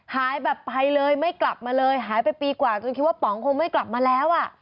หายแบบไปเลยไม่กลับมาเลยหายไปปีกว่าจนคิดว่าป๋องคงไม่กลับมาแล้วอ่ะ